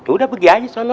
udah pergi aja sana